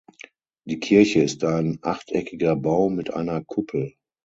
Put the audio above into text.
Die Kirche ist ein achteckiger Bau mit einer Kuppel.